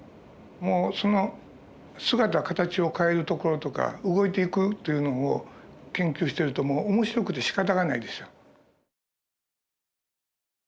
もうその姿形を変えるところとか動いていくというのを研究してるともう面白くてしかたがないですよ。